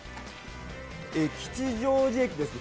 吉祥寺駅ですね